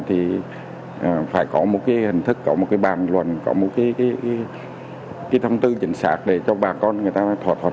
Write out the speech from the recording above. thì phải có một cái hình thức có một cái bàn luận có một cái thông tư chính xác để cho bà con người ta thỏa thuận